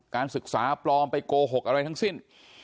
การศึกษาปลอมไปโกหกอะไรทั้งสิ้น